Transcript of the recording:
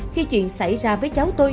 khi chuyện xảy ra với cháu tôi